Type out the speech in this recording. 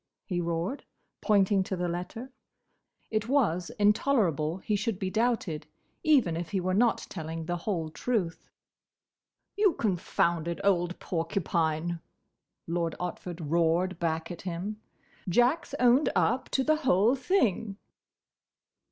he roared, pointing to the letter. It was intolerable he should be doubted, even if he were not telling the whole truth. "You confounded old porcupine," Lord Otford roared back at him, "Jack 's owned up to the whole thing!"